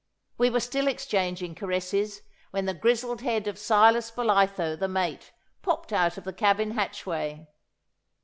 We were still exchanging caresses when the grizzled head of Silas Bolitho the mate popped out of the cabin hatchway.